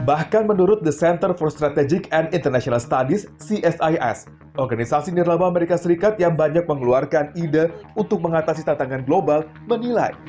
bahkan menurut the center for strategic and international studies csis organisasi nirlaba amerika serikat yang banyak mengeluarkan ide untuk mengatasi tantangan global menilai